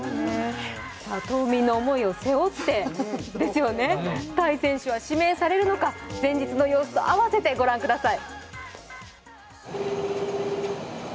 島民の思いを背負って、泰選手は指名されるのか、前日の様子とあわせてご覧ください。